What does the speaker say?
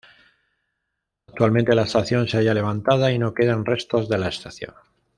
Actualmente la estación se halla levantada y no quedan restos de la estación.